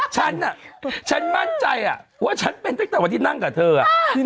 ฉันน่ะฉันมั่นใจว่าฉันเป็นตั้งแต่วันที่นั่งกับเธออ่ะ